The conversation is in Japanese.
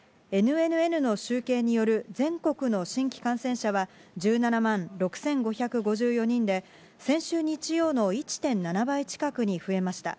ＮＮＮの集計による全国の新規感染者は、１７万６５５４人で、先週日曜の１．７倍近くに増えました。